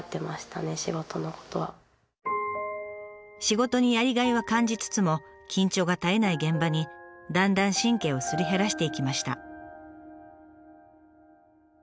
仕事にやりがいは感じつつも緊張が絶えない現場にだんだん神経をすり減らしていきました。